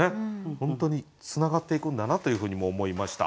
本当につながっていくんだなというふうにも思いました。